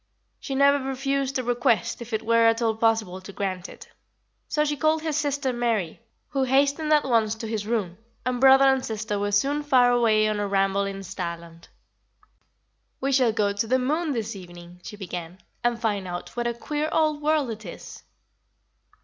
She never refused a request if it were at all possible to grant it. So she called his sister Mary, who hastened at once to his room, and brother and sister were soon far away on a ramble in starland. "We shall go to the moon this evening," she began, "and find out what a queer old world it is."